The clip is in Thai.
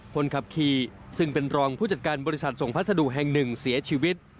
คนขับขี่ซึ่งเป็นรองผู้จัดการบริษัทส่งพัสดุแห่งหนึ่งเสียชีวิต